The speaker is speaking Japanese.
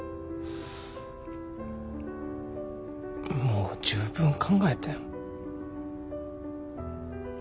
もう十分考えてん。